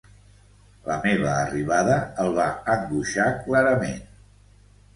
La meva arribada el va angoixar clarament.